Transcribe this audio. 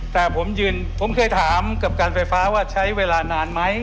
แต่ผมยืนผมเคยถามกับการไฟฟ้าว่าใช้เวลานานไหม